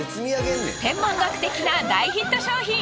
天文学的な大ヒット商品！